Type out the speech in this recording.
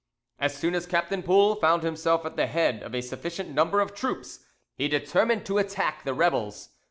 As soon as Captain Poul found himself at the head of a sufficient number of troops, he determined to attack the rebels.